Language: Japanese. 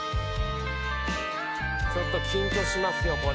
ちょっと緊張しますよ